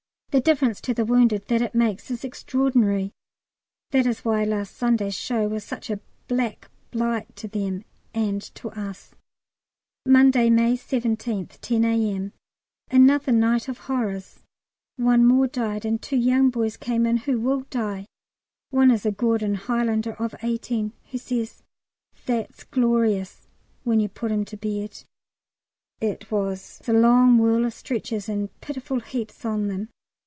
The difference to the wounded that makes is extraordinary. That is why last Sunday's show was such a black blight to them and to us. Monday, May 17th, 10 A.M. Another night of horrors; one more died, and two young boys came in who will die; one is a Gordon Highlander of 18, who says "that's glorious" when you put him to bed. It was a long whirl of stretchers, and pitiful heaps on them.